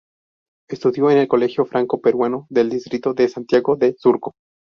Estudió en el Colegio Franco Peruano del Distrito de Santiago de Surco.